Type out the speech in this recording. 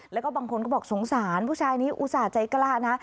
แล้วก็บางคนก็บอกสงสารผู้ชายนี้อุตส่าห์ใจกล้านะ